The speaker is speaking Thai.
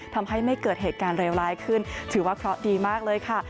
ทำให้ไม่เกิดเหตุการณ์เลวร้ายขึ้นถือว่าเคราะห์ดีมากเลยค่ะ